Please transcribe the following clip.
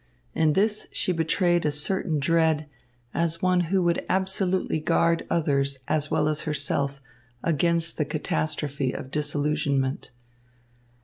In this she betrayed a certain dread, as one who would absolutely guard others as well as herself against the catastrophe of disillusionment.